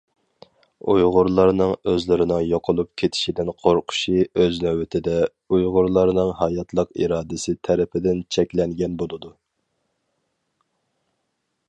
ئۇيغۇرلارنىڭ ئۆزلىرىنىڭ يوقىلىپ كېتىشىدىن قورقۇشى ئۆز نۆۋىتىدە، ئۇيغۇرلارنىڭ ھاياتلىق ئىرادىسى تەرىپىدىن چەكلەنگەن بولىدۇ.